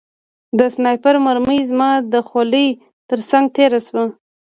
د سنایپر مرمۍ زما د خولۍ ترڅنګ تېره شوه